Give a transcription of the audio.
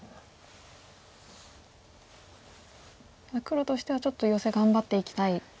黒としてはちょっとヨセ頑張っていきたい。